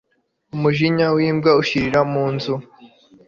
umujinya w'imbwa ushirira mu nzu